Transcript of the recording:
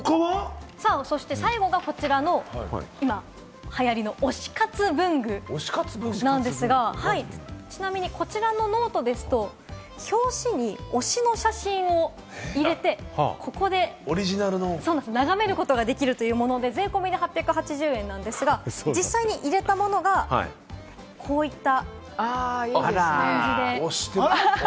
そして最後がこちらの今、流行りの推し活文具なんですが、こちらのノートですと表紙に推しの写真を入れて、ここで眺めることができるというもので、税込みで８８０円なんですが、実際に入れたものがこういった。